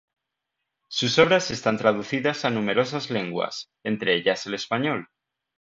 Sus obras están traducidas a numerosas lenguas, entre ellas el español.